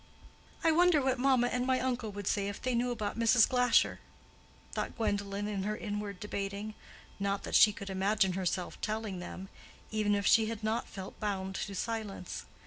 "I wonder what mamma and my uncle would say if they knew about Mrs. Glasher!" thought Gwendolen in her inward debating; not that she could imagine herself telling them, even if she had not felt bound to silence.